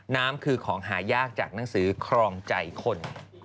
น้ำคือของหายากจากหนังสือครองใจคน